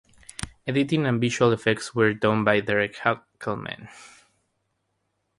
Editing and visual effects were done by Derek Hackleman.